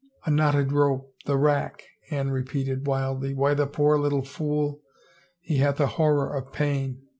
A knotted rope, the rackl" Anne repeated, wildly. Why the poor little fool — he hath a horror of pain.